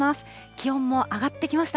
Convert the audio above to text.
気温も上がってきました。